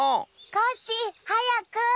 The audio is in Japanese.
コッシーはやく！